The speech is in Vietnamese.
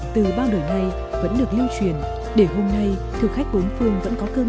từ bao đời nay vẫn được lưu truyền để hôm nay thực khách bốn phương vẫn có cơm